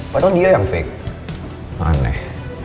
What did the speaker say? padahal dia yang fake aneh